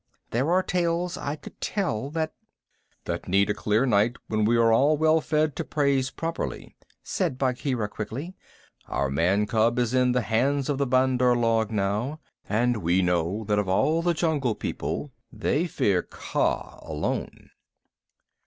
There are tales I could tell that " "That need a clear night when we are all well fed to praise properly," said Bagheera quickly. "Our man cub is in the hands of the Bandar log now, and we know that of all the Jungle People they fear Kaa alone."